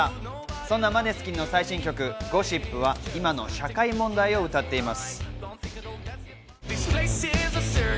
そんなマネスキンの最新曲『ＧＯＳＳＩＰ』は今の社会問題を歌っています。